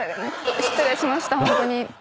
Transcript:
失礼しましたホントに。